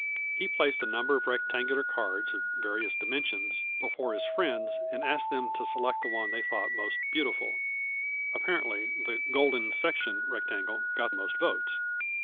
He placed a number of rectangular cards of various dimensions before his friends, and asked them to select the one they thought most beautiful. Appa rently the "golden section" rectangle got most votes.